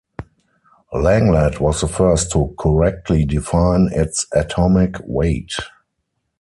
Langlet was the first to correctly define its atomic weight.